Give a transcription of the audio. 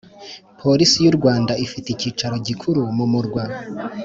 Polisi y u Rwanda ifite icyicaro gikuru mu Murwa